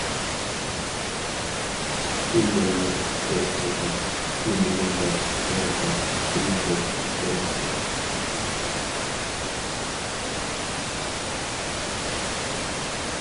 «كىيگەنلەر قوش پايپاق، كىيمىگەنلەر قوڭالتاق» دېگەندەك ئىش بولماقتا.